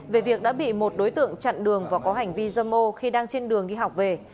về việc đã bị một đối tượng chặn đường và có hành vi dâm ô khi đang trên đường đi học về